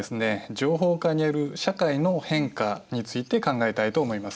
情報化による社会の変化について考えたいと思います。